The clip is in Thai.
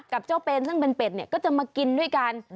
กับเจ้าเป็นซึ่งเป็นเป็ดเนี่ยก็จะมากินด้วยกัน